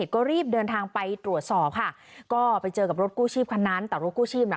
ก็รีบเดินทางไปตรวจสอบค่ะก็ไปเจอกับรถกู้ชีพคันนั้น